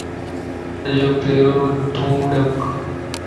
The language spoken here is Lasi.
ھنجو پيرو تو ڏک